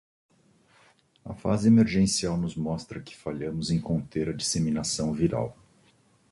A fase emergencial nos mostra que falhamos em conter a disseminação viral